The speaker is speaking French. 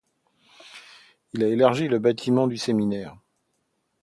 Il a élargi le bâtiment du séminaire.